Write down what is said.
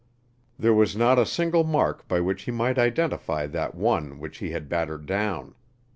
There was not a single mark by which he might identify that one which he had battered down.